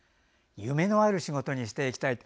夢のある仕事にしていきたいと。